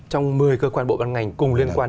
trong một mươi cơ quan bộ ba ngày cùng liên quan